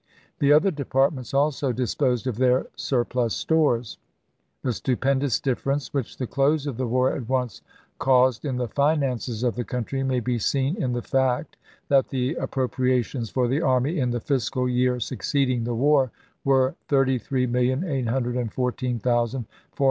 The other departments also disposed of their sur plus stores. The stupendous difference which the close of the war at once caused in the finances of the country may be seen in the fact that the appro priations for the army in the fiscal year succeeding the war were $33,814,461 as against $516,240,131 for the preceding year.